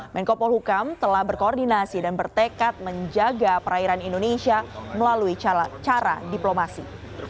menko polhukam telah berkoordinasi dan bertekad menjaga perairan indonesia melalui cara diplomasi